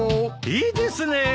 いいですねえ。